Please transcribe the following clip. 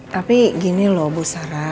tapi gini loh bu sarah